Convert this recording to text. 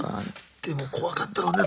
でも怖かったろうね